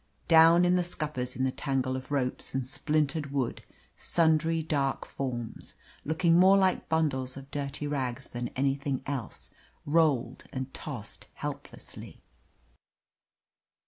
Down in the scuppers, in the tangle of ropes and splintered wood, sundry dark forms, looking more like bundles of dirty rags than anything else, rolled and tossed helplessly.